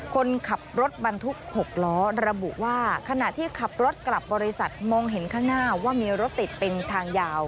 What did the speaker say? คนขับรถบรรทุก๖ล้อระบุว่าขณะที่ขับรถกลับบริษัทมองเห็นข้างหน้าว่ามีรถติดเป็นทางยาว